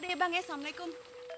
udah ya bang ya assalamualaikum